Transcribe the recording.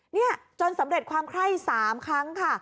นี่จนสำเร็จความไข้๓ครั้งค่ะ